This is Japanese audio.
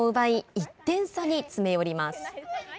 １点差に詰め寄ります。